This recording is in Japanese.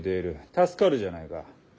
助かるじゃないか。